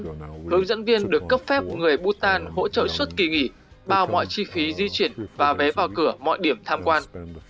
hướng dẫn viên được cấp phép người bhutan hỗ trợ suốt kỳ nghỉ bao mọi chi phí di chuyển và vé vào cửa mọi điểm tham quan